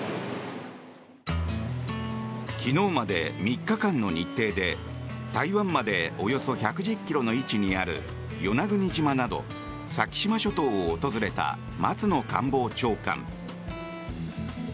昨日まで３日間の日程で台湾まで、およそ１１０ｋｍの位置にある与那国島など先島諸島を訪れた松野官房長官。